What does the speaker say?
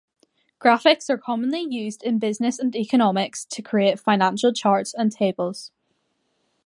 Graphics are commonly used in business and economics to create financial charts and tables.